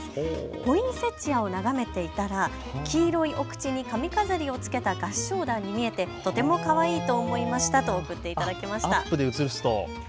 ポインセチアを眺めていたら黄色いお口に髪飾りを付けた合唱団に見えてとてもかわいいと思いましたと送っていただきました。